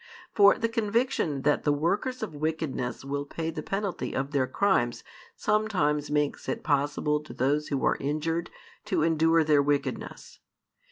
For |425 the conviction that the workers of wickedness will pay the penalty of their crimes sometimes makes it possible to those who are injured to endure their wickedness.